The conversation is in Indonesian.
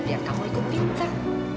biar kamu ikut pinter